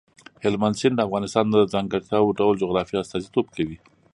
هلمند سیند د افغانستان د ځانګړي ډول جغرافیې استازیتوب کوي.